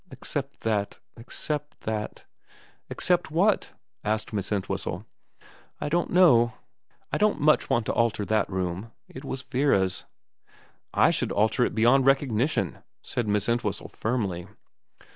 Except that except that '* Except what ?' asked Miss Entwhistle. ' I don't know. I don't much want to alter that room. It was Vera's.' ' I should alter it beyond recognition,' said Miss Entwhistle firmly.